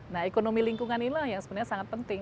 nah ekonomi lingkungan inilah yang sebenarnya sangat penting